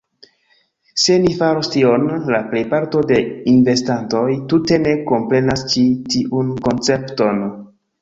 Se ni faros tion, la plejparto de investantoj tute ne komprenas ĉi tiun koncepton